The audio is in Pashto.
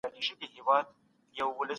په خپل ورځني ژوند کي مطالعه زياته کړئ.